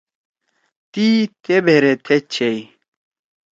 تی تے بھیرے تھید چِھئ۔